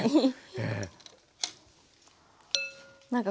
ええ。